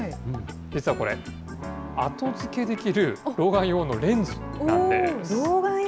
実はこれ、後付けできる老眼用のレンズなんです。